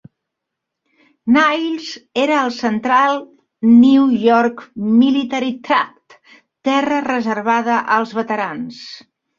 Niles era al Central New York Military Tract, terra reservada als veterans.